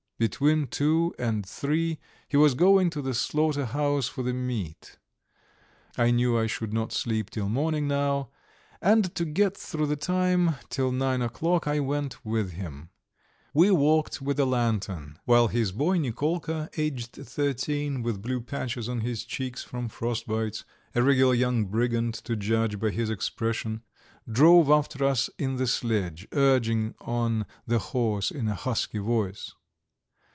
Between two and three he was going to the slaughter house for the meat. I knew I should not sleep till morning now, and to get through the time till nine o'clock I went with him. We walked with a lantern, while his boy Nikolka, aged thirteen, with blue patches on his cheeks from frostbites, a regular young brigand to judge by his expression, drove after us in the sledge, urging on the horse in a husky voice.